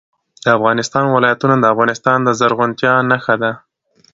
د افغانستان ولايتونه د افغانستان د زرغونتیا نښه ده.